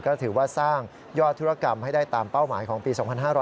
ก็ถือว่าสร้างยอดธุรกรรมให้ได้ตามเป้าหมายของปี๒๕๕๙